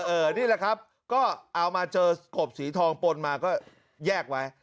นี่แหละครับก็เอามาเจอกบสีทองปนมาก็แยกไว้